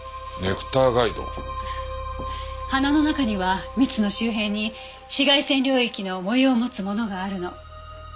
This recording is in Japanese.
花の中には蜜の周辺に紫外線領域の模様を持つものがあるの。